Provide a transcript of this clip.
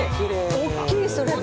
おっきいそれで。